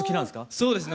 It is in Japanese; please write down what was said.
そうですね